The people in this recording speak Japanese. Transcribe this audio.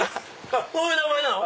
そういう名前なの？